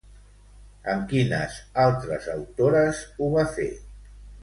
Amb quines altres autores ho va fer?